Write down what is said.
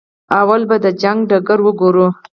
لومړی به د جګړې ډګر وګورو.